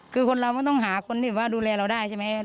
คือคนเรามันต้องหาคนที่ว่าดูแลเราได้ใช่ไหม